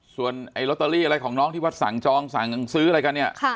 ส่วนไอ้ลอตเตอรี่อะไรของน้องที่วัดสั่งจองสั่งซื้ออะไรกันเนี่ย